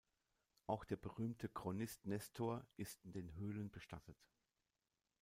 Auch der berühmte Chronist Nestor ist in den Höhlen bestattet.